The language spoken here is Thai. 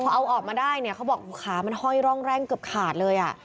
พอเอาออกมาได้เนี่ยเขาบอกขามันห้อยร่องแร่งเกือบขาดเลย